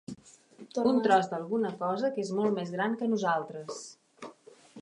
Un tros d'alguna cosa que és molt més gran que nosaltres.